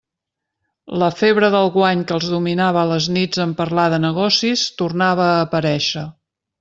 La febre del guany que els dominava a les nits en parlar de negocis tornava a aparèixer.